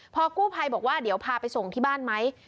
พอกู้ภัยบอกว่าเดี๋ยวพาไปส่งที่บ้านไหม